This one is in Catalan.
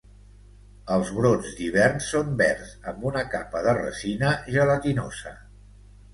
Els brots d"hivern són verds amb una capa de resina gelatinosa.